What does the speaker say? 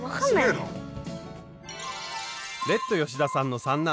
レッド吉田さんの三男運